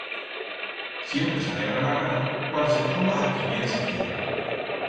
Siempre s'alegra la cara cuando se troba a qui bien se quiere.